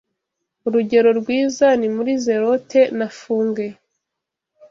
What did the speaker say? Urugero rwiza ni muri "Zelote" na Fuge